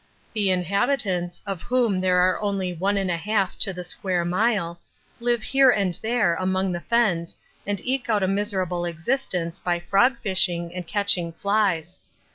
The inhabitants, of whom there are only one and a half to the square mile, live here and there among the fens and eke out a miserable existence by frog fishing and catching flies.